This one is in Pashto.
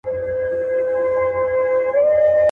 ګرفتاره په منګول د کورونا سو.